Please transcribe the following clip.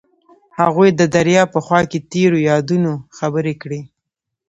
هغوی د دریا په خوا کې تیرو یادونو خبرې کړې.